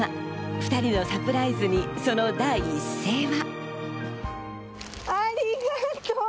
２人のサプライズに、その第一声は。